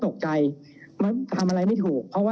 ผมผู้ต้องหาสลบไปตอนนั้นเราก็ตกใจทำอะไรไม่ถูก